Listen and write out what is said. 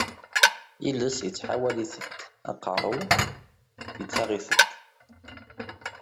Iles yettḥawal-itent, aqerruy yettaɣ-itent.